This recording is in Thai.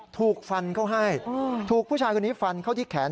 ถูกฟันเข้าให้ถูกผู้ชายคนนี้ฟันเข้าที่แขน